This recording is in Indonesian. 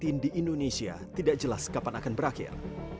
covid sembilan belas di indonesia tidak jelas kapan akan berakhir